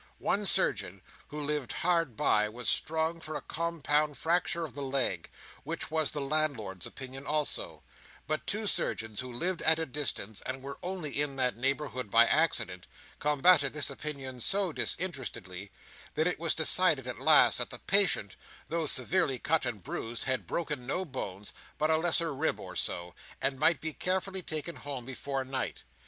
One surgeon who lived hard by was strong for a compound fracture of the leg, which was the landlord's opinion also; but two surgeons who lived at a distance, and were only in that neighbourhood by accident, combated this opinion so disinterestedly, that it was decided at last that the patient, though severely cut and bruised, had broken no bones but a lesser rib or so, and might be carefully taken home before night.